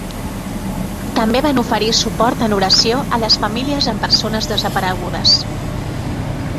També van oferir suport en oració a les famílies amb persones desaparegudes.